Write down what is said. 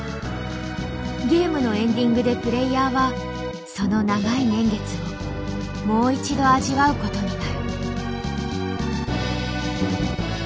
ゲームのエンディングでプレイヤーはその長い年月をもう一度味わうことになる。